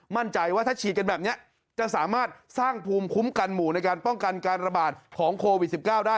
มั่นใจว่าถ้าฉีดกันแบบนี้จะสามารถสร้างภูมิคุ้มกันหมู่ในการป้องกันการระบาดของโควิด๑๙ได้